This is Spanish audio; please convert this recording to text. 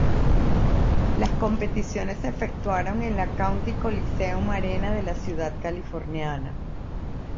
Las competiciones se efectuaron en la County Coliseum Arena de la ciudad californiana.